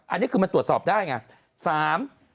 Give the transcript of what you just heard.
อันนี้คือมันตรวจสอบได้ไง